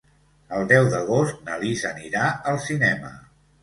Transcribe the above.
El deu d'agost na Lis anirà al cinema.